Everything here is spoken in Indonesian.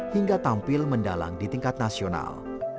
hingga tampil mendalang di tingkat nasional